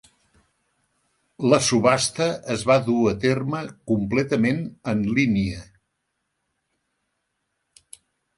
La subhasta es va dur a terme completament en línia.